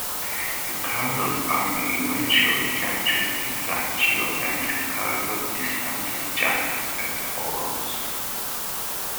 Riccardo's army eventually captures Isacio, and Riccardo dispenses justice as follows.